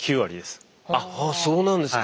あそうなんですか。